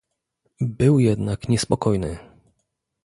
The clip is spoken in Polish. "Był jednak niespokojny."